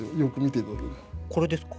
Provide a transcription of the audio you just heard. これですか？